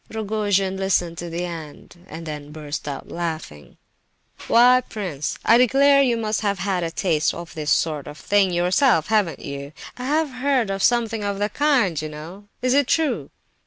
'" Rogojin listened to the end, and then burst out laughing: "Why, prince, I declare you must have had a taste of this sort of thing yourself—haven't you? I have heard tell of something of the kind, you know; is it true?"